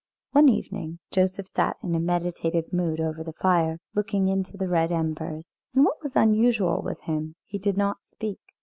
One evening Joseph sat in a meditative mood over the fire, looking into the red embers, and what was unusual with him, he did not speak.